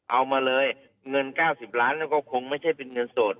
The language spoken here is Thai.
เอามาเลยเงินเก้าสิบล้านก็คงไม่ใช่เป็นเงินโสด